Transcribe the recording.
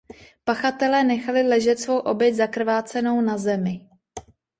Pachatelé nechali ležet svou oběť zakrvácenou na zemi.